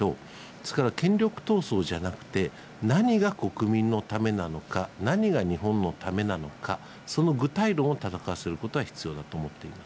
ですから、権力闘争じゃなくて、何が国民のためなのか、何が日本のためなのか、その具体論を戦わせることは必要だと思っています。